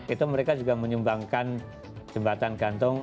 itu mereka juga menyumbangkan jembatan gantung